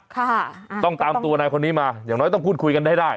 ค่ะต้องตามตัวนายคนนี้มาอย่างน้อยต้องพูดคุยกันให้ได้